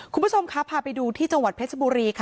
คุณผู้ชมครับพาไปดูที่จังหวัดเพชรบุรีค่ะ